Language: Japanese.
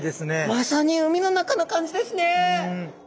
まさに海の中の感じですね。